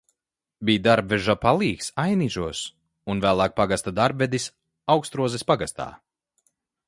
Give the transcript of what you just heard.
Bij darbveža palīgs Vainižos un vēlāk pagasta darbvedis Augstrozes pagastā.